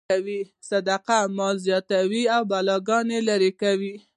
صدقه مال زیاتوي او بلاګانې لرې کوي.